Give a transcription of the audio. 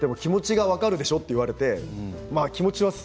でも気持ちが分かるでしょって言われて。